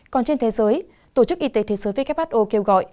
còn trên thế giới tổ chức y tế thế giới who kể rằng